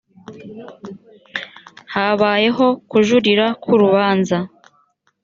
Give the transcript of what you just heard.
habayeho kujuririra kurubanza